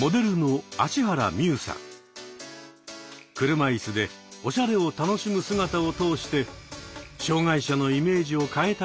車いすでおしゃれを楽しむ姿を通して障害者のイメージを変えたいと活動しています。